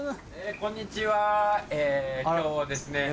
こんにちは今日ですね